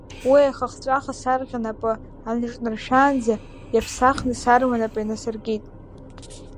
Уи аиха хҵәаха сарӷьа напы аныҿнаршәааӡа, иааԥсахны сарма напы инасыркит.